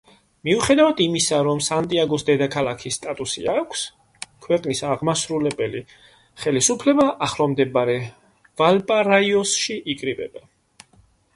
მიუხედავად იმისა, რომ სანტიაგოს დედაქალაქის სტატუსი აქვს, ქვეყნის აღმასრულებელი ხელისუფლება ახლომდებარე ვალპარაისოში იკრიბება.